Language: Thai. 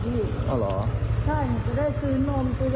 พี่จริงป่ะเนี่ย